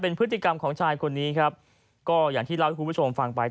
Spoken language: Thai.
พฤติกรรมของชายคนนี้ครับก็อย่างที่เล่าให้คุณผู้ชมฟังไป